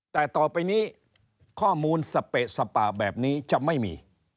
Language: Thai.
แต่ต่อไปนี้ข้อมูลสเปะสปะแบบนี้จะไม่มี